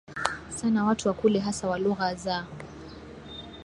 sana Watu wa kule hasa wa lugha za